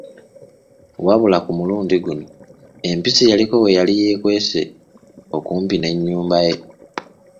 Wabula ku mulundi guno, empisi yaliko weyali y'ekwese okumpi n'enyumba ye.